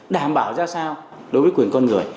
đảm bảo ra sao đối với quyền con người